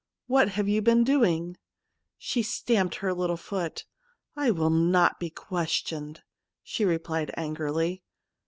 ' What have you been doing ?' She stamped her Httle foot. ' I will not be questioned/ she replied angrily.